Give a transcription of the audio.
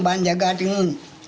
banyak pesawat ini